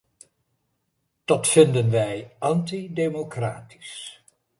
Dat vinden wij antidemocratisch.